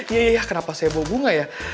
iya iya kenapa saya bawa bunga ya